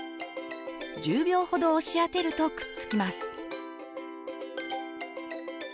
１０秒ほど押し当てるとくっつきます。